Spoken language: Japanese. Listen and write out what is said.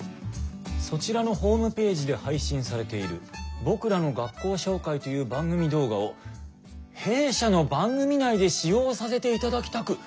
「そちらのホームページで配信されている『僕らの学校紹介』という番組動画を弊社の番組内で使用させていただきたく」。